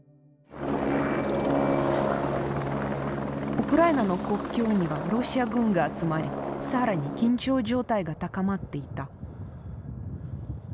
ウクライナの国境にはロシア軍が集まり更に緊張状態が高まっていた。